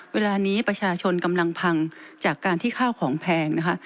เวลานี้ประชาชนกำลังพังจากการที่ข้าวของแพงนะคะ